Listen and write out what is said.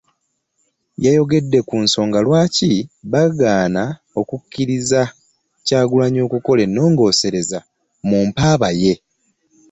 Yayogedde ku nsonga lwaki baagana okukkiriza Kyagulanyi okukola ennongoosereza mu mpaaba ye